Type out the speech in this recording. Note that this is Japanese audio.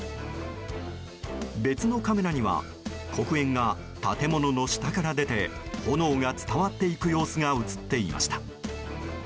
別のカメラには黒煙が建物の下から出て炎が伝わっていく様子が映っていました。